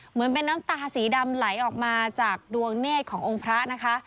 เหมือนเป็นน้ำตาสีดำไหลออกมาจากดวงเนธขององค์พระนะคะ